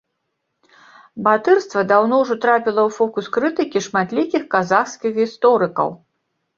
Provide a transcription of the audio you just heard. Батырства даўно ўжо трапіла ў фокус крытыкі шматлікіх казахскіх гісторыкаў.